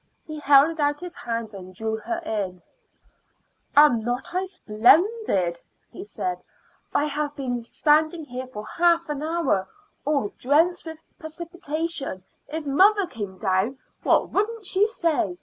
He held out his hand and drew her in. "Am not I splendid?" he said. "I have been standing here for half an hour, all drenched with perspiration. If mother came down" what wouldn't she say?